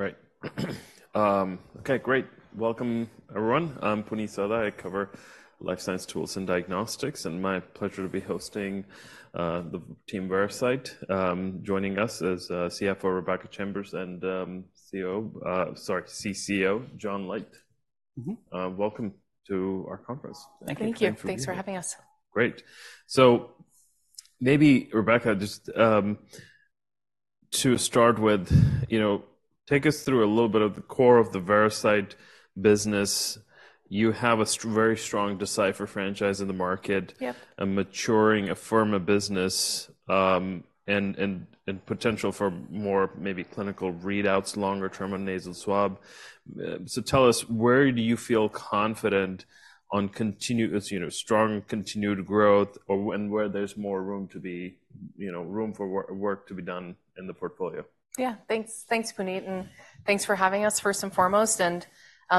All right. Okay, great. Welcome, everyone. I'm Puneet Souda, I cover Life Science Tools and Diagnostics, and my pleasure to be hosting the team Veracyte. Joining us is, CFO, Rebecca Chambers, and CEO. Sorry, CCO, John Leite. Welcome to our conference. Thank you. Thank you. Thanks for having us. Great! So maybe, Rebecca, just to start with, you know, take us through a little bit of the core of the Veracyte business. You have a very strong Decipher franchise in the market. Yep. A maturing Afirma business and potential for more maybe clinical readouts, longer term on nasal swab. So tell us, where do you feel confident on continuous, you know, strong, continued growth, and where there's more room to be, you know, room for work to be done in the portfolio? Yeah. Thanks, thanks, Puneet, and thanks for having us, first and foremost. And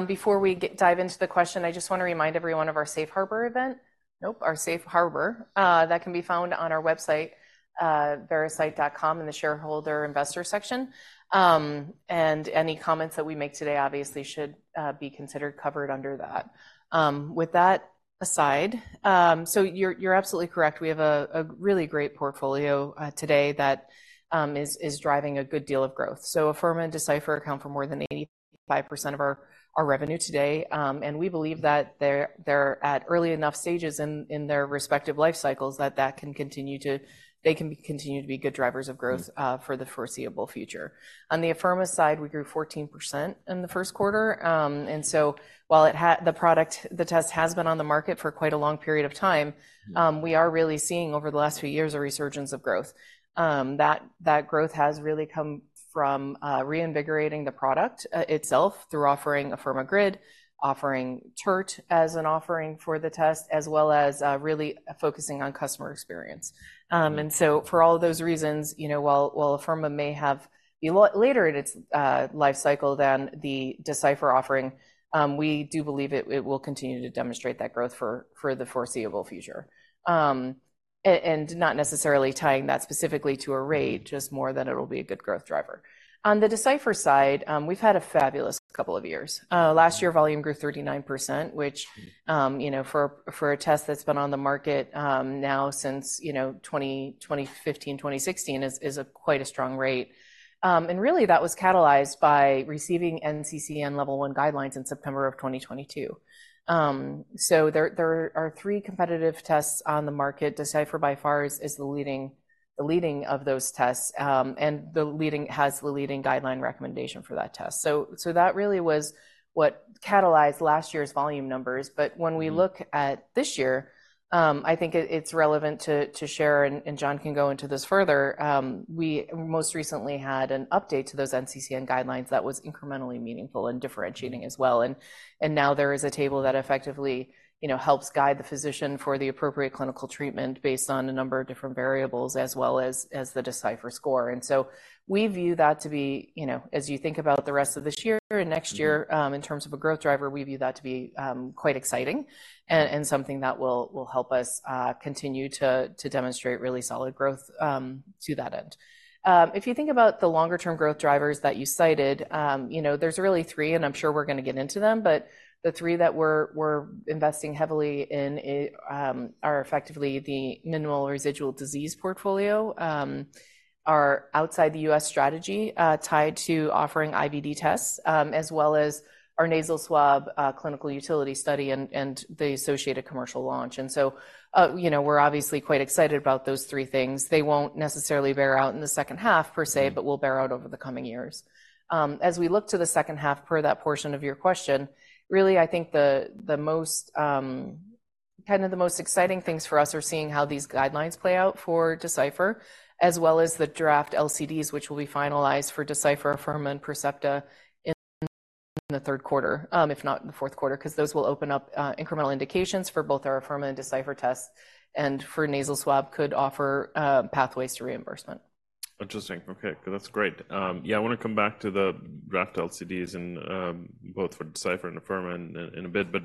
before we get to dive into the question, I just want to remind everyone of our Safe Harbor event. Nope, our Safe Harbor that can be found on our website, veracyte.com, in the shareholder investor section. And any comments that we make today obviously should be considered covered under that. With that aside, so you're absolutely correct. We have a really great portfolio today that is driving a good deal of growth. So Afirma and Decipher account for more than 85% of our revenue today. And we believe that they're at early enough stages in their respective life cycles, that that can continue to—they can continue to be good drivers of growth for the foreseeable future. On the Afirma side, we grew 14% in the first quarter. And so while the product, the test has been on the market for quite a long period of time, we are really seeing, over the last few years, a resurgence of growth. That growth has really come from reinvigorating the product itself through offering Afirma GRID, offering TERT as an offering for the test, as well as really focusing on customer experience. And so, for all of those reasons, you know, while Afirma may be a lot later in its life cycle than the Decipher offering, we do believe it will continue to demonstrate that growth for the foreseeable future. And not necessarily tying that specifically to a rate, just more that it'll be a good growth driver. On the Decipher side, we've had a fabulous couple of years. Last year, volume grew 39%, which, you know, for a test that's been on the market now since, you know, 2015, 2016, is a quite strong rate. And really, that was catalyzed by receiving NCCN Level 1 guidelines in September 2022. So there are three competitive tests on the market. Decipher, by far, is the leading of those tests, and has the leading guideline recommendation for that test. So that really was what catalyzed last year's volume numbers. But when we look at this year, I think it's relevant to share, and John can go into this further. We most recently had an update to those NCCN guidelines that was incrementally meaningful and differentiating as well. Now there is a table that effectively, you know, helps guide the physician for the appropriate clinical treatment based on a number of different variables, as well as the Decipher score. And so we view that to be, you know, as you think about the rest of this year and next year in terms of a growth driver, we view that to be quite exciting, and something that will help us continue to demonstrate really solid growth, to that end. If you think about the longer term growth drivers that you cited, you know, there's really three, and I'm sure we're going to get into them, but the three that we're investing heavily in are effectively the minimal residual disease portfolio, our outside the U.S. strategy tied to offering IVD tests, as well as our nasal swab clinical utility study, and the associated commercial launch. And so, you know, we're obviously quite excited about those three things. They won't necessarily bear out in the second half, per se but will bear out over the coming years. As we look to the second half, per that portion of your question, really, I think the most kind of the most exciting things for us are seeing how these guidelines play out for Decipher, as well as the draft LCDs, which will be finalized for Decipher, Afirma, and Percepta in the third quarter, if not in the fourth quarter, 'cause those will open up incremental indications for both our Afirma and Decipher tests, and for nasal swab, could offer pathways to reimbursement. Interesting. Okay, that's great. Yeah, I want to come back to the draft LCDs and both for Decipher and Afirma in a bit. But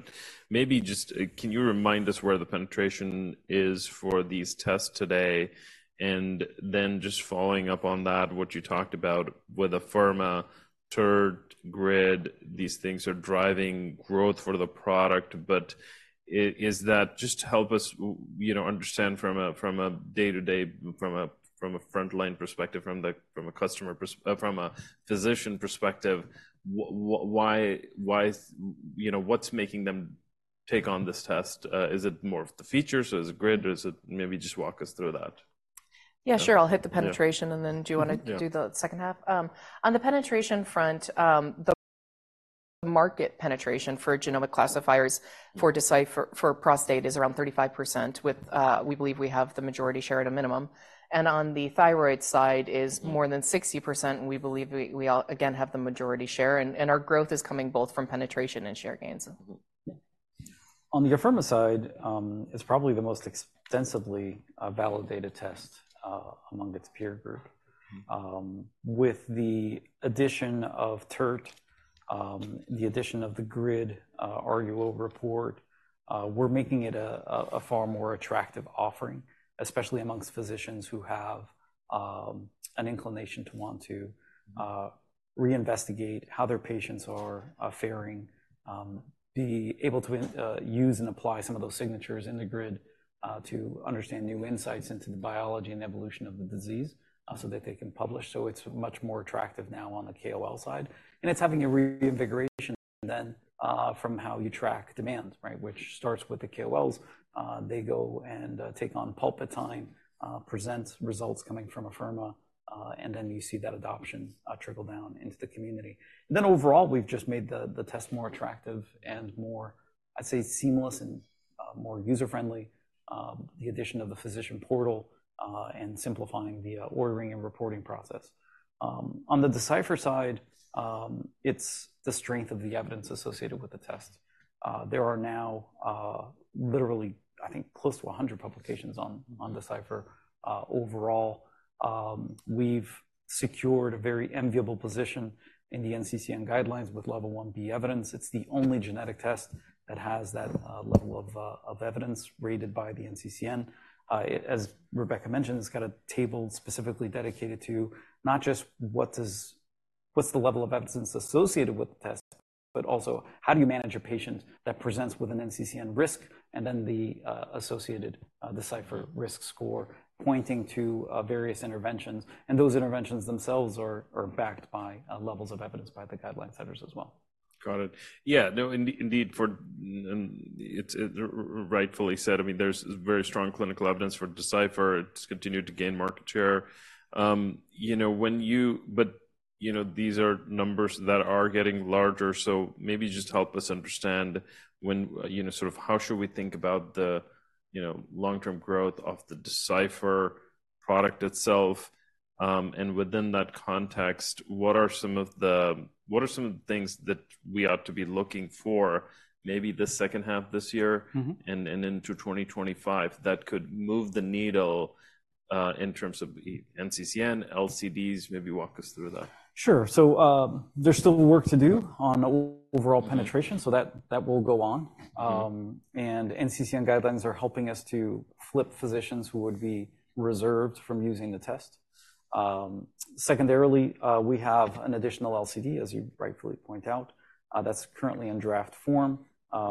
maybe just can you remind us where the penetration is for these tests today? And then just following up on that, what you talked about with Afirma, TERT, GRID, these things are driving growth for the product, but is that, just help us, you know, understand from a day-to-day, from a frontline perspective, from a customer perspective, from a physician perspective, why, you know, what's making them take on this test? Is it more of the features, or is it GRID, or is it? Maybe just walk us through that. Yeah, sure. I'll hit the penetration, and then do you want to do the second half? On the penetration front, the market penetration for genomic classifiers for Decipher, for prostate, is around 35%, with, we believe we have the majority share at a minimum. And on the thyroid side is more than 60%, and we believe we again have the majority share, and our growth is coming both from penetration and share gains. On the Afirma side, it's probably the most extensively validated test among its peer group. With the addition of TERT, the addition of the GRID, RUO report, we're making it a far more attractive offering, especially among physicians who have an inclination to want to reinvestigate how their patients are faring. Be able to use and apply some of those signatures in the GRID to understand new insights into the biology and evolution of the disease, so that they can publish. So it's much more attractive now on the KOL side, and it's having a reinvigoration then from how you track demand, right? Which starts with the KOLs. They go and take on pulpit time, present results coming from Afirma, and then you see that adoption trickle down into the community. Then overall, we've just made the test more attractive and more, I'd say, seamless and more user-friendly. The addition of the physician portal and simplifying the ordering and reporting process. On the Decipher side, it's the strength of the evidence associated with the test. There are now, literally, I think, close to 100 publications on Decipher. Overall, we've secured a very enviable position in the NCCN guidelines with Level 1B evidence. It's the only genetic test that has that level of evidence rated by the NCCN. As Rebecca mentioned, it's got a table specifically dedicated to not just what's the level of evidence associated with the test, but also how do you manage a patient that presents with an NCCN risk, and then the associated Decipher risk score pointing to various interventions, and those interventions themselves are backed by levels of evidence by the guideline setters as well. Got it. Yeah, no, indeed. Rightfully said, I mean, there's very strong clinical evidence for Decipher. It's continued to gain market share. You know, but, you know, these are numbers that are getting larger, so maybe just help us understand when, you know, sort of how should we think about the, you know, long-term growth of the Decipher product itself? And within that context, what are some of the, what are some of the things that we ought to be looking for, maybe this second half this year. And into 2025, that could move the needle in terms of NCCN, LCDs? Maybe walk us through that. Sure. So, there's still work to do on overall penetration, so that, that will go on. And NCCN guidelines are helping us to flip physicians who would be reserved from using the test. Secondarily, we have an additional LCD, as you rightfully point out, that's currently in draft form.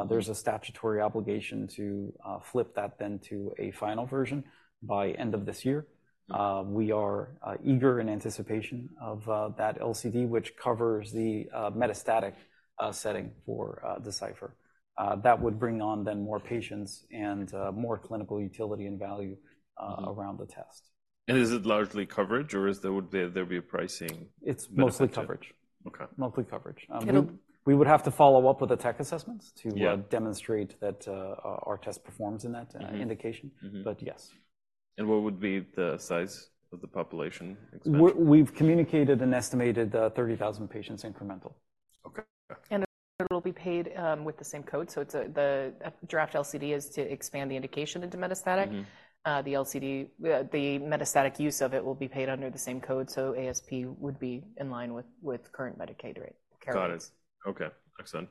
There's a statutory obligation to flip that then to a final version by end of this year. We are eager in anticipation of that LCD, which covers the metastatic setting for Decipher. That would bring on then more patients and more clinical utility and value around the test. Is it largely coverage, or is there, would there be a pricing benefit? It's mostly coverage. Okay. Mostly coverage. And- We would have to follow up with the tech assessments to- Yeah Demonstrate that our test performs in that indication. But yes. What would be the size of the population expansion? We've communicated an estimated 30,000 patients incremental. Okay. It will be paid with the same code, so it's the draft LCD is to expand the indication into metastatic. The LCD, the metastatic use of it will be paid under the same code, so ASP would be in line with current Medicare rate carriers. Got it. Okay, excellent.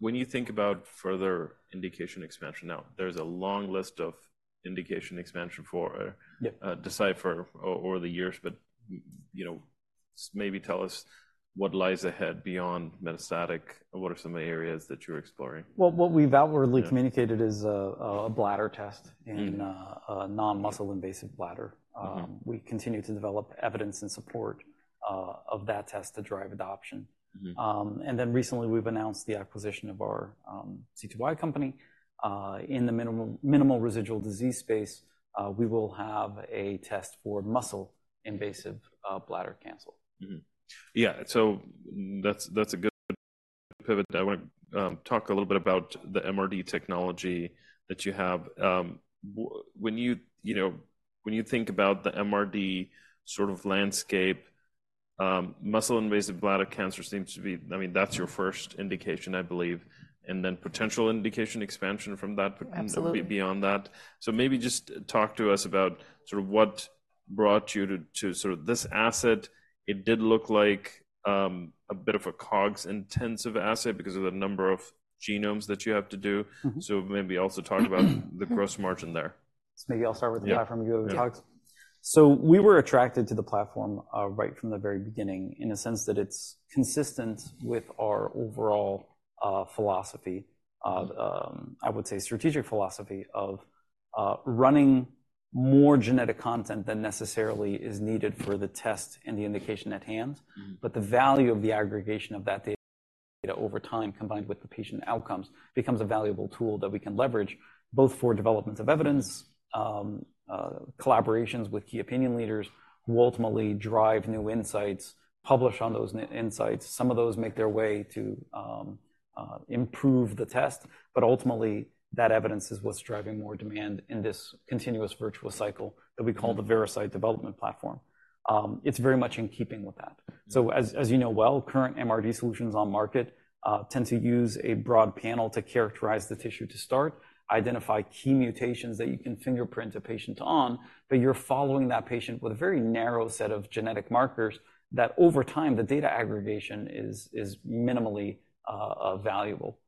When you think about further indication expansion, now, there's a long list of indication expansion for. Yeah. Decipher over the years, but, you know, maybe tell us what lies ahead beyond metastatic, and what are some of the areas that you're exploring? Well, what we've outwardly communicated is a bladder test and a non-muscle invasive bladder. We continue to develop evidence and support of that test to drive adoption. And then recently, we've announced the acquisition of our C2i company. In the minimal residual disease space, we will have a test for muscle-invasive bladder cancer. Yeah, so that's, that's a good pivot. I want talk a little bit about the MRD technology that you have. When you, you know, when you think about the MRD sort of landscape, muscle-invasive bladder cancer seems to be. I mean, that's your first indication, I believe, and then potential indication expansion from that. Absolutely. Beyond that, so maybe just talk to us about sort of what brought you to sort of this asset. It did look like a bit of a COGS-intensive asset because of the number of genomes that you have to do. So maybe also talk about the gross margin there. Maybe I'll start with the platform and you'll deal with COGS? Yeah. So we were attracted to the platform, right from the very beginning, in a sense that it's consistent with our overall philosophy of, I would say, strategic philosophy of running more genetic content than necessarily is needed for the test and the indication at hand. But the value of the aggregation of that data, data over time, combined with the patient outcomes, becomes a valuable tool that we can leverage, both for developments of evidence, collaborations with key opinion leaders, who ultimately drive new insights, publish on those insights. Some of those make their way to improve the test, but ultimately, that evidence is what's driving more demand in this continuous virtual cycle that we call the Veracyte development platform. It's very much in keeping with that. So as you know well, current MRD solutions on market tend to use a broad panel to characterize the tissue to start, identify key mutations that you can fingerprint a patient on, but you're following that patient with a very narrow set of genetic markers that over time, the data aggregation is minimally valuable.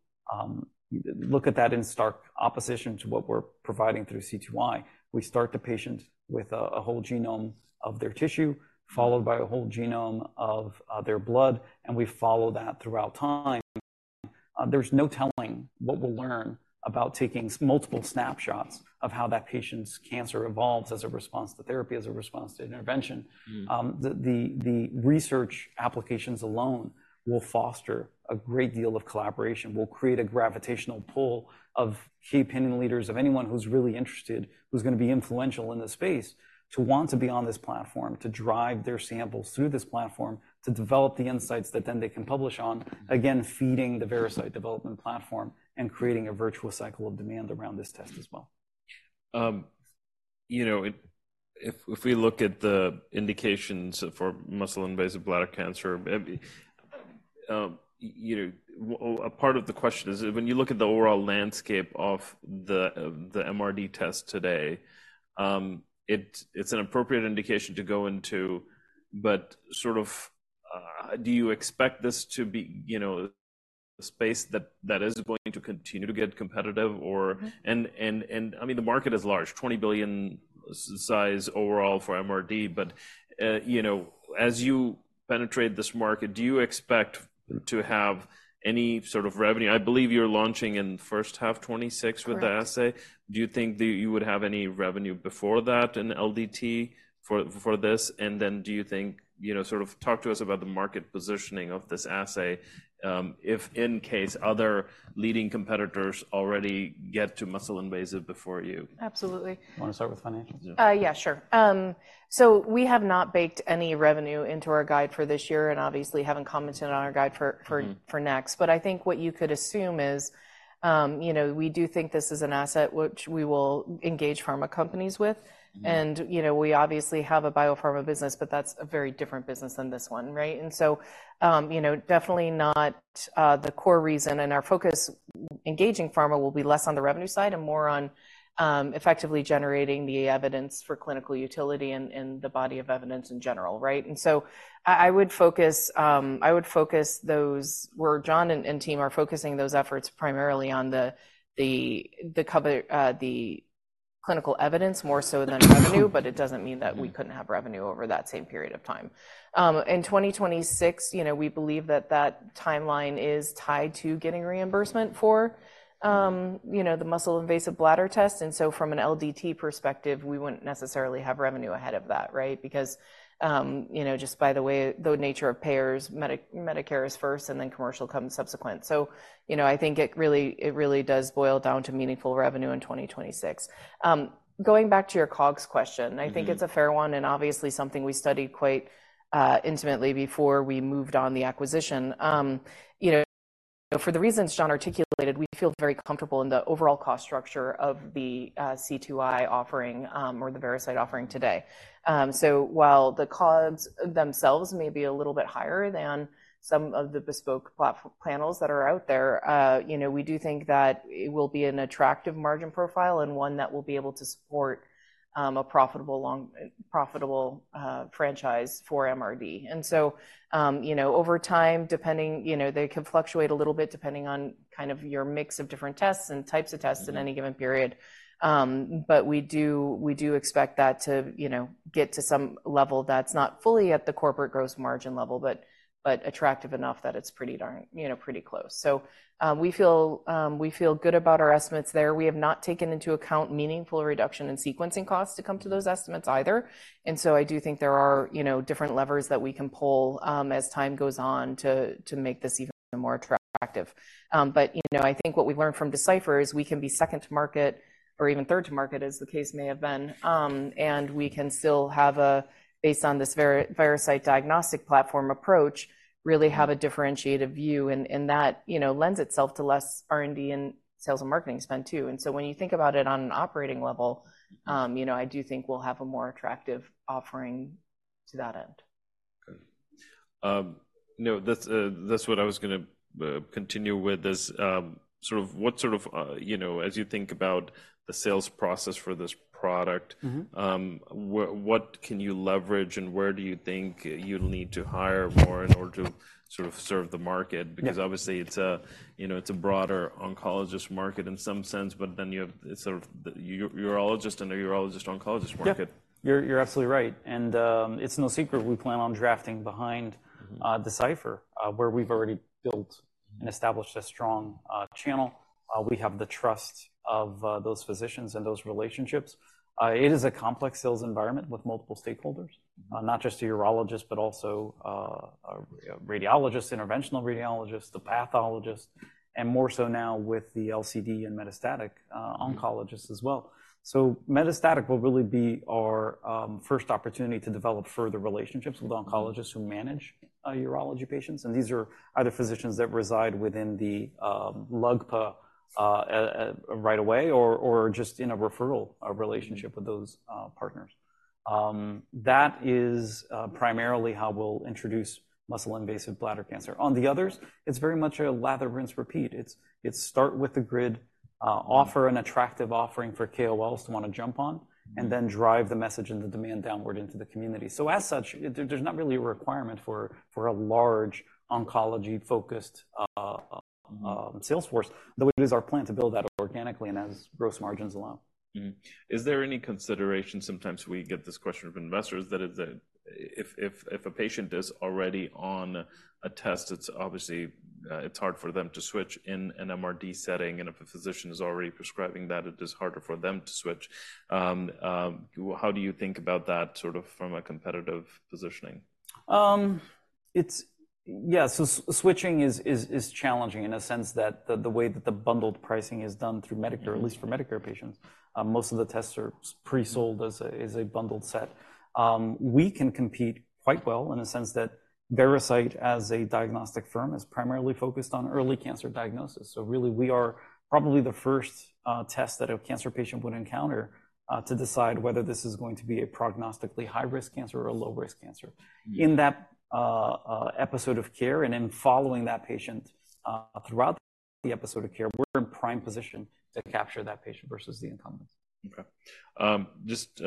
Look at that in stark opposition to what we're providing through C2i. We start the patient with a whole genome of their tissue, followed by a whole genome of their blood, and we follow that throughout time. There's no telling what we'll learn about taking multiple snapshots of how that patient's cancer evolves as a response to therapy, as a response to intervention. The research applications alone will foster a great deal of collaboration, will create a gravitational pull of key opinion leaders, of anyone who's really interested, who's going to be influential in this space, to want to be on this platform, to drive their samples through this platform, to develop the insights that then they can publish on, again, feeding the Veracyte development platform and creating a virtual cycle of demand around this test as well. You know, if we look at the indications for muscle-invasive bladder cancer, you know, a part of the question is, when you look at the overall landscape of the, the MRD test today, it's an appropriate indication to go into, but sort of, do you expect this to be, you know, a space that is going to continue to get competitive or, and I mean, the market is large, $20 billion size overall for MRD, but, you know, as you penetrate this market, do you expect to have any sort of revenue? I believe you're launching in the first half 2026 with the Assay. Correct. Do you think that you would have any revenue before that in LDT for this? And then do you think, you know, sort of talk to us about the market positioning of this Assay, if in case other leading competitors already get to muscle-invasive before you. Absolutely. You want to start with financials? Yeah, sure. So we have not baked any revenue into our guide for this year, and obviously haven't commented on our guide for next. But I think what you could assume is, you know, we do think this is an asset which we will engage pharma companies with. And you know, we obviously have a biopharma business, but that's a very different business than this one, right? And so, you know, definitely not the core reason, and our focus engaging pharma will be less on the revenue side and more on effectively generating the evidence for clinical utility and the body of evidence in general, right? And so I would focus those where John and team are focusing those efforts primarily on the clinical evidence, more so than revenue, but it doesn't mean that we couldn't have revenue over that same period of time. In 2026, you know, we believe that that timeline is tied to getting reimbursement for you know, the muscle-invasive bladder test, and so from an LDT perspective, we wouldn't necessarily have revenue ahead of that, right? Because, you know, just by the way, the nature of payers, Medicare is first, and then commercial comes subsequent. So, you know, I think it really, it really does boil down to meaningful revenue in 2026. Going back to your COGS question. I think it's a fair one, and obviously something we studied quite intimately before we moved on the acquisition. You know, for the reasons John articulated, we feel very comfortable in the overall cost structure of the C2i offering, or the Veracyte offering today. So while the COGS themselves may be a little bit higher than some of the bespoke panels that are out there, you know, we do think that it will be an attractive margin profile and one that will be able to support a profitable franchise for MRD. And so, you know, over time, depending, you know, they can fluctuate a little bit depending on kind of your mix of different tests and types of tests. In any given period, but we do, we do expect that to, you know, get to some level that's not fully at the corporate gross margin level, but, but attractive enough that it's pretty darn, you know, pretty close. So, we feel, we feel good about our estimates there. We have not taken into account meaningful reduction in sequencing costs to come to those estimates either. And so I do think there are, you know, different levers that we can pull, as time goes on to, to make this even more attractive. But, you know, I think what we learned from Decipher is we can be second to market or even third to market, as the case may have been, and we can still have a, based on this Veracyte diagnostic platform approach, really have a differentiated view, and that, you know, lends itself to less R&D and sales and marketing spend, too. And so when you think about it on an operating level, you know, I do think we'll have a more attractive offering to that end. Okay. You know, that's what I was gonna continue with, is sort of what, you know, as you think about the sales process for this product. What can you leverage, and where do you think you'll need to hire more in order to sort of serve the market? Yeah. Because obviously, it's a, you know, it's a broader oncologist market in some sense, but then you have sort of urologist and a urologist oncologist market. Yep. You're absolutely right, and it's no secret we plan on drafting behind Decipher, where we've already built and established a strong channel. We have the trust of those physicians and those relationships. It is a complex sales environment with multiple stakeholders, not just the urologist, but also a radiologist, interventional radiologist, the pathologist, and more so now with the LCD and metastatic oncologists as well. So metastatic will really be our first opportunity to develop further relationships with oncologists who manage urology patients, and these are either physicians that reside within the LUGPA right away or just in a referral relationship with those partners. That is primarily how we'll introduce muscle-invasive bladder cancer. On the others, it's very much a lather, rinse, repeat. It's start with the GRID, offer an attractive offering for KOLs to want to jump on. And then drive the message and the demand downward into the community. So as such, there's not really a requirement for a large oncology-focused sales force, though it is our plan to build that organically and as gross margins allow. Is there any consideration? Sometimes we get this question from investors, that if a patient is already on a test, it's obviously it's hard for them to switch in an MRD setting, and if a physician is already prescribing that, it is harder for them to switch. How do you think about that sort of from a competitive positioning? Switching is challenging in a sense that the way that the bundled pricing is done through Medicare, or at least for Medicare patients. Most of the tests are pre-sold as a bundled set. We can compete quite well in a sense that Veracyte, as a diagnostic firm, is primarily focused on early cancer diagnosis. So really, we are probably the first test that a cancer patient would encounter to decide whether this is going to be a prognostically high-risk cancer or a low-risk cancer. In that episode of care, and in following that patient throughout the episode of care, we're in prime position to capture that patient versus the incumbents. Okay. Just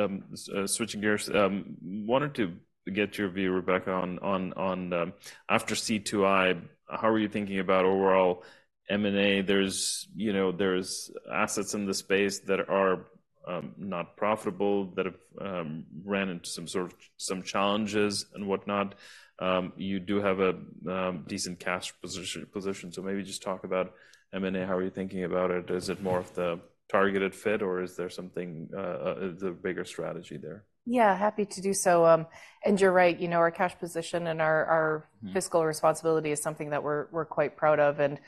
switching gears, wanted to get your view, Rebecca, on after C2i, how are you thinking about overall M&A? There's, you know, there's assets in the space that are not profitable, that have run into some sort of challenges and whatnot. You do have a decent cash position, so maybe just talk about M&A. How are you thinking about it? Is it more of the targeted fit, or is there something, the bigger strategy there? Yeah, happy to do so. And you're right, you know, our cash position and our fiscal responsibility is something that we're quite proud of. And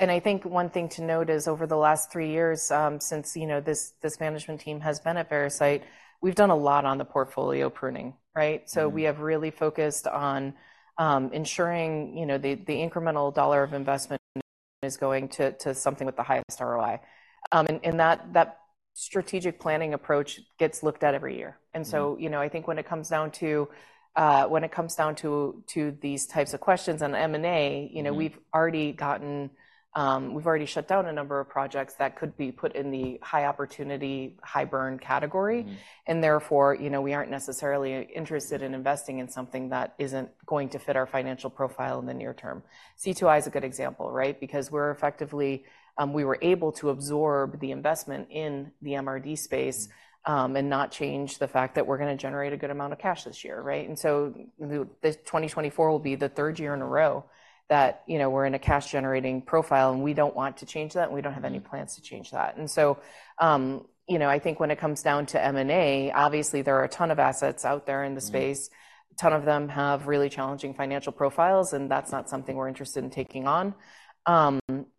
I think one thing to note is over the last three years, since you know this management team has been at Veracyte, we've done a lot on the portfolio pruning, right? We have really focused on ensuring, you know, the incremental dollar of investment is going to something with the highest ROI. That strategic planning approach gets looked at every year. And so, you know, I think when it comes down to these types of questions on M&A, you know, we've already gotten, we've already shut down a number of projects that could be put in the high-opportunity, high-burn category. And therefore, you know, we aren't necessarily interested in investing in something that isn't going to fit our financial profile in the near term. C2i is a good example, right? Because we're effectively, we were able to absorb the investment in the MRD space and not change the fact that we're going to generate a good amount of cash this year, right? And so, this 2024 will be the third year in a row that, you know, we're in a cash-generating profile, and we don't want to change that, and we don't have any plans to change that. And so, you know, I think when it comes down to M&A, obviously, there are a ton of assets out there in the space. A ton of them have really challenging financial profiles, and that's not something we're interested in taking on.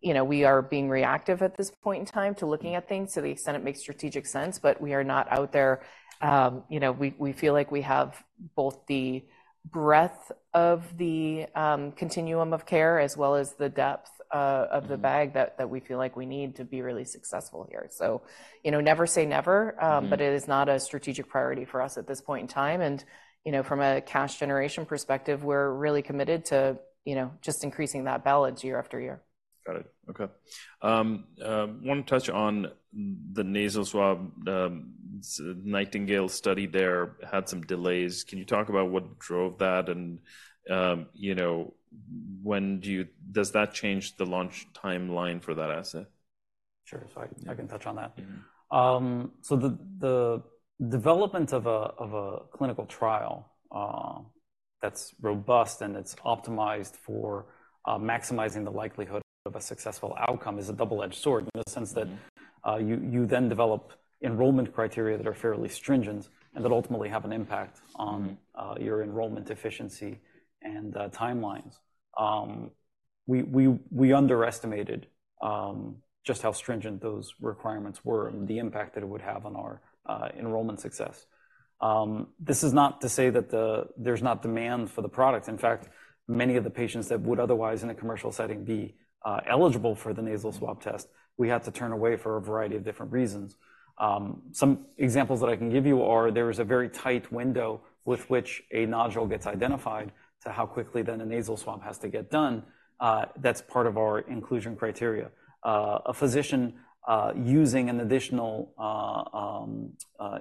You know, we are being reactive at this point in time to looking at things to the extent it makes strategic sense, but we are not out there. You know, we, we feel like we have both the breadth of the continuum of care, as well as the depth of the bag that we feel like we need to be really successful here. So, you know, never say never, but it is not a strategic priority for us at this point in time. And, you know, from a cash generation perspective, we're really committed to, you know, just increasing that balance year-after-year. Got it. Okay. Want to touch on the nasal swab, NIGHTINGALE study there had some delays. Can you talk about what drove that? And, you know, when do you, does that change the launch timeline for that asset? Sure, so I can touch on that. Mm-hmm. So the development of a clinical trial that's robust and it's optimized for maximizing the likelihood of a successful outcome is a double-edged sword in the sense that you then develop enrollment criteria that are fairly stringent and that ultimately have an impact on your enrollment efficiency and timelines. We underestimated just how stringent those requirements were and the impact that it would have on our enrollment success. This is not to say that there's not demand for the product. In fact, many of the patients that would otherwise, in a commercial setting, be eligible for the nasal swab test, we had to turn away for a variety of different reasons. Some examples that I can give you are, there is a very tight window with which a nodule gets identified to how quickly then a nasal swab has to get done. That's part of our inclusion criteria. A physician using an additional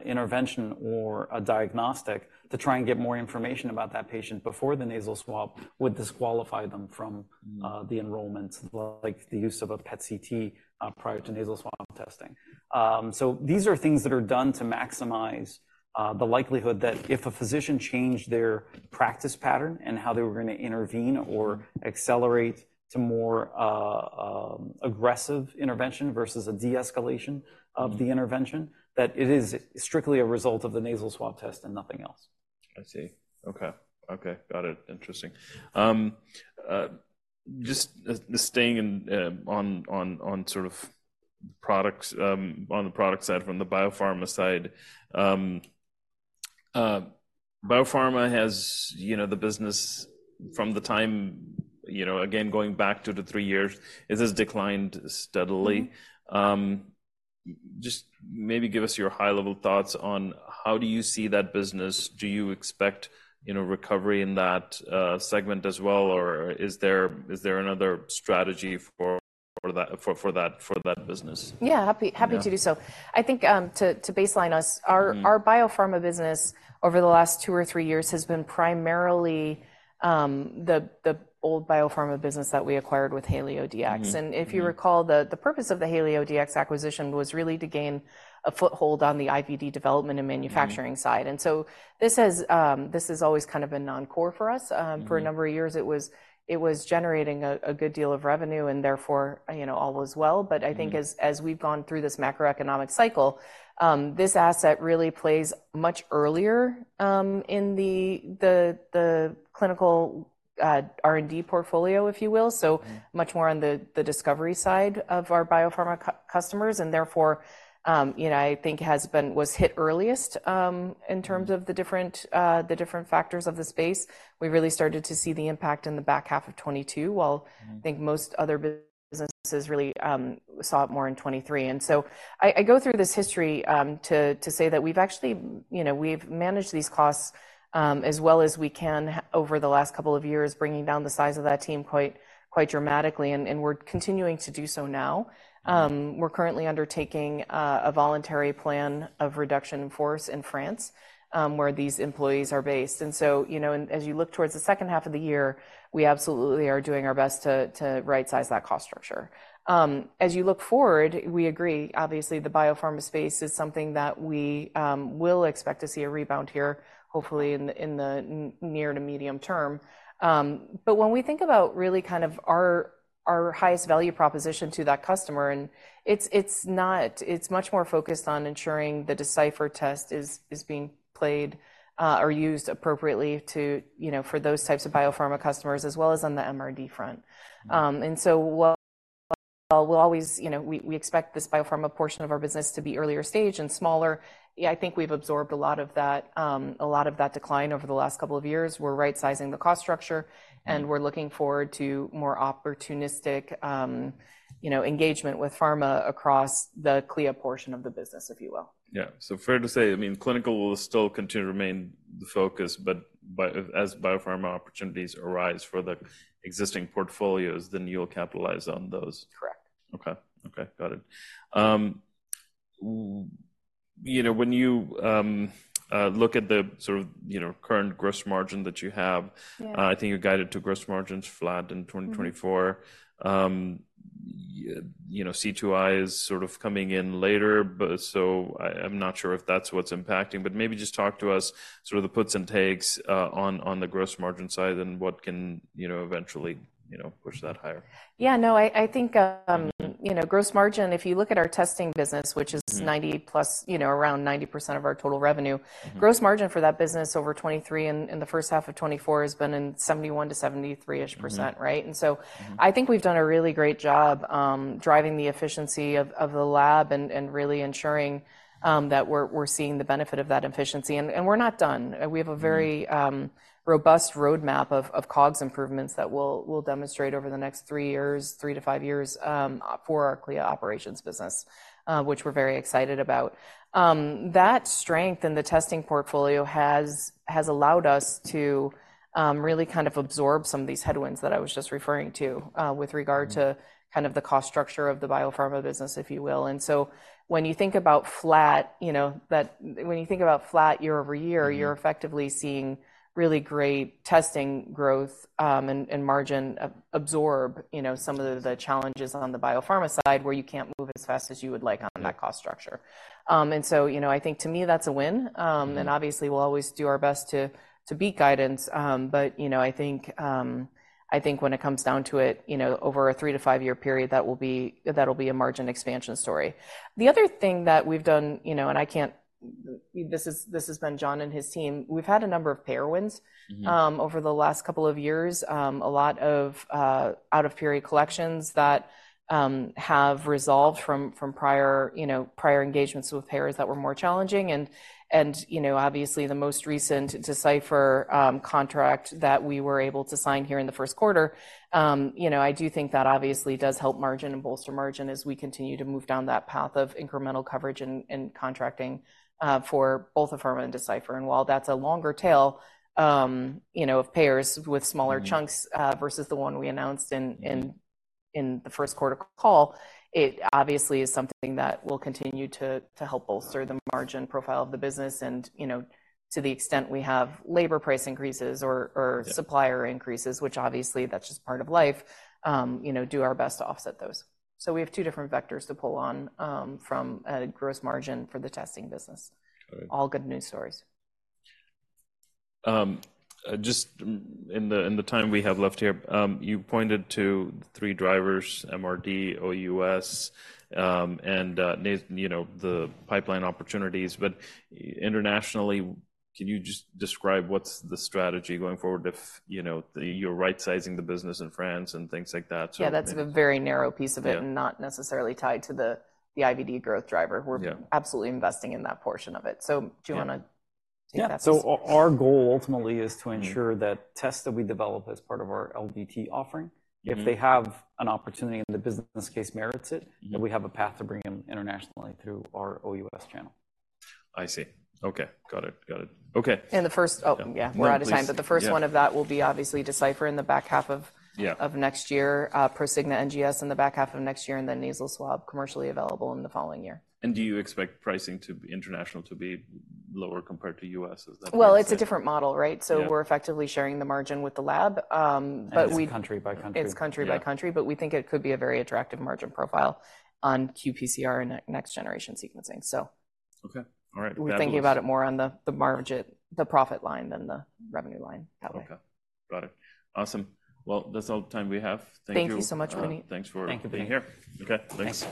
intervention or a diagnostic to try and get more information about that patient before the nasal swab would disqualify them from the enrollment, like the use of a PET-CT prior to nasal swab testing. So these are things that are done to maximize the likelihood that if a physician changed their practice pattern and how they were going to intervene or accelerate to more aggressive intervention versus a de-escalation of the intervention, that it is strictly a result of the nasal swab test and nothing else. I see. Okay. Okay, got it. Interesting. Just staying in on sort of products, on the product side, from the biopharma side, biopharma has, you know, the business from the time, you know, again, going back two to three years, it has declined steadily. Just maybe give us your high-level thoughts on how do you see that business? Do you expect, you know, recovery in that segment as well, or is there another strategy for that business? Yeah, happy- Yeah. Happy to do so. I think, to baseline us. Our biopharma business over the last two to three years has been primarily, the old biopharma business that we acquired with HalioDx. If you recall, the purpose of the HalioDx acquisition was really to gain a foothold on the IVD development and manufacturing side. This has always kind of been non-core for us for a number of years. It was generating a good deal of revenue and therefore, you know, all was well. But I think as we've gone through this macroeconomic cycle, this asset really plays much earlier in the clinical R&D portfolio, if you will. So much more on the discovery side of our biopharma customers, and therefore, you know, I think has been, was hit earliest, in terms of the different factors of the space. We really started to see the impact in the back half of 2022 while I think most other businesses really saw it more in 2023. And so I go through this history to say that we've actually, you know, we've managed these costs as well as we can over the last couple of years, bringing down the size of that team quite dramatically, and we're continuing to do so now. We're currently undertaking a voluntary plan of reduction in force in France, where these employees are based. And so, you know, as you look towards the second half of the year, we absolutely are doing our best to right-size that cost structure. As you look forward, we agree, obviously, the biopharma space is something that we will expect to see a rebound here, hopefully in the near to medium term. But when we think about really kind of our highest value proposition to that customer, and it's not, it's much more focused on ensuring the Decipher test is being played or used appropriately to, you know, for those types of biopharma customers, as well as on the MRD front. And so while we'll always, you know, we expect this biopharma portion of our business to be earlier stage and smaller, I think we've absorbed a lot of that, a lot of that decline over the last couple of years. We're rightsizing the cost structure and we're looking forward to more opportunistic, you know, engagement with pharma across the CLIA portion of the business, if you will. Yeah. So, fair to say, I mean, clinical will still continue to remain the focus, but as biopharma opportunities arise for the existing portfolios, then you'll capitalize on those? Correct. Okay. Okay, got it. You know, when you, you know, look at the sort of current gross margin that you have, I think you're guided to gross margins flat in 2024. You know, C2i is sort of coming in later, but so I, I'm not sure if that's what's impacting. But maybe just talk to us sort of the puts and takes on the gross margin side, and what can you know eventually you know push that higher? Yeah, no, I think you know, gross margin, if you look at our testing business, which is 90%+, you know, around 90% of our total revenue. Gross margin for that business over 2023 and in the first half of 2024 has been in 71%-73%-ish, right? I think we've done a really great job driving the efficiency of the lab and really ensuring that we're seeing the benefit of that efficiency. We're not done. We have a very robust roadmap of COGS improvements that we'll demonstrate over the next three years, three to five years for our CLIA operations business, which we're very excited about. That strength in the testing portfolio has allowed us to really kind of absorb some of these headwinds that I was just referring to, with regard to kind of the cost structure of the biopharma business, if you will. And so when you think about flat, you know, when you think about flat year-over-year, you're effectively seeing really great testing growth, and margin absorb, you know, some of the challenges on the biopharma side, where you can't move as fast as you would like on that cost structure. And so, you know, I think to me, that's a win. And obviously, we'll always do our best to beat guidance. But you know, I think when it comes down to it, you know, over a three to five-year period, that will be, that'll be a margin expansion story. The other thing that we've done, you know, and I can't—this is, this has been John and his team. We've had a number of payer wins. Over the last couple of years, a lot of out-of-period collections that have resolved from, from prior, you know, prior engagements with payers that were more challenging. And, you know, obviously, the most recent Decipher contract that we were able to sign here in the first quarter, you know, I do think that obviously does help margin and bolster margin as we continue to move down that path of incremental coverage and contracting for both Afirma and Decipher. And while that's a longer tail, you know, of payers with smaller chunks versus the one we announced in the first quarter call, it obviously is something that will continue to help bolster the margin profile of the business. You know, to the extent we have labor price increases or supplier increases, which obviously, that's just part of life, you know, do our best to offset those. So we have two different vectors to pull on, from a gross margin for the testing business. Got it. All good news stories. Just in the time we have left here, you pointed to three drivers: MRD, OUS, and, you know, the pipeline opportunities. But internationally, can you just describe what's the strategy going forward if, you know, you're rightsizing the business in France and things like that? Yeah, that's a very narrow piece of it and not necessarily tied to the IVD growth driver. We're absolutely investing in that portion of it. So do you want to take that piece? Yeah. So our goal ultimately is to ensure that tests that we develop as part of our LDT offering if they have an opportunity and the business case merits it, then we have a path to bring them internationally through our OUS channel. I see. Okay, got it. Got it. Okay. Oh, yeah. Yeah. We're out of time. Please, yeah. But the first one of that will be obviously Decipher in the back half of next year, Prosigna NGS in the back half of next year, and then nasal swab commercially available in the following year. Do you expect pricing to be international to be lower compared to U.S.? Is that- Well, it's a different model, right? Yeah. So we're effectively sharing the margin with the lab, but we- It's country by country. It's country by country. But we think it could be a very attractive margin profile on qPCR and next-generation sequencing, so. Okay. All right, that was- We're thinking about it more on the margin, the profit line than the revenue line that way. Okay. Got it. Awesome. Well, that's all the time we have. Thank you. Thank you so much, Puneet. Thanks for- Thank you.... being here. Okay, thanks.